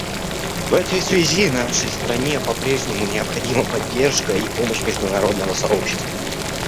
В этой связи нашей стране по-прежнему необходима поддержка и помощь международного сообщества.